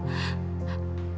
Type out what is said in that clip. lebih baik daripada aku di rumah